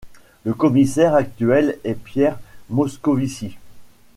Le commissaire actuel est Pierre Moscovici.